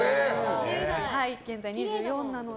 現在、２４なので。